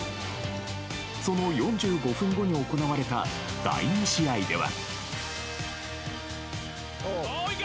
その４５分後に行われた第２試合では。